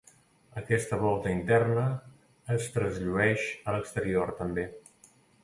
Aquesta volta interna es trasllueix a l'exterior també.